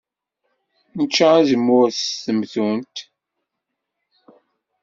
Nečča azemmur s temtunt.